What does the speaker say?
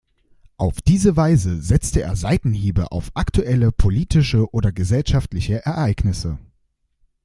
Auf diese Weise setzte er Seitenhiebe auf aktuelle politische oder gesellschaftliche Ereignisse.